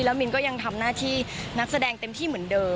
มินก็ยังทำหน้าที่นักแสดงเต็มที่เหมือนเดิม